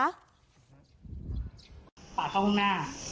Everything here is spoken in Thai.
ปาดเข้าข้างหน้า